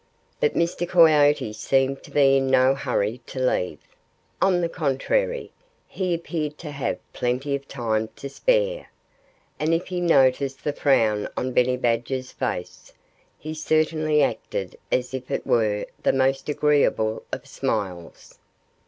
But Mr. Coyote seemed to be in no hurry to leave. On the contrary, he appeared to have plenty of time to spare. And if he noticed the frown on Benny Badger's face, he certainly acted as if it were the most agreeable of smiles.